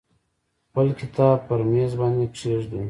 خپل کتاب پر میز باندې کیږدئ.